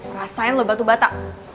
rasain lo batu bata